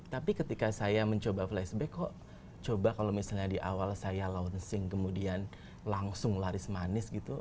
tapi ketika saya mencoba flashback kok coba kalau misalnya di awal saya launching kemudian langsung laris manis gitu